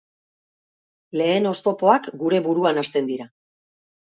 Lehen oztopoak gure buruan hasten dira.